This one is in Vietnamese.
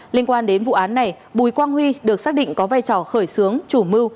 liên quan đến vụ án này bùi quang huy được xác định có vai trò khởi xướng chủ mưu